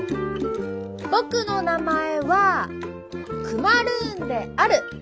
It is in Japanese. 「僕の名前はクマルーンである」